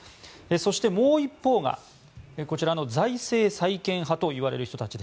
そして、もう一方が財政再建派といわれる人たち。